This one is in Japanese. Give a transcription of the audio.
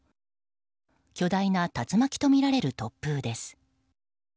巨大な竜巻とみられる突風です。